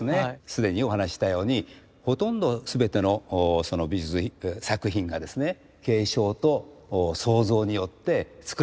既にお話ししたようにほとんど全ての作品がですね継承と創造によって作られている。